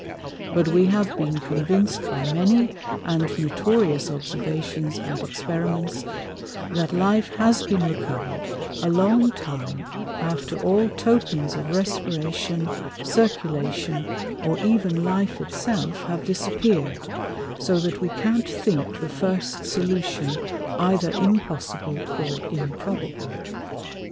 But we have been convinc'd by many and notorious Observations and Experiments, that Life has been recover'd a long time after all tokens of Respiration, Circulation, or even Life it self, have disappear'd; so that we can't think the first Solution either impossible or improbable.